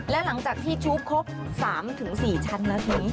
แล้วหลังจากที่ชุบครบ๓๔ชั้นแล้วที